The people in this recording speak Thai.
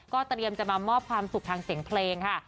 เตรียมจะมามอบความสุขทางเสียงเพลงค่ะ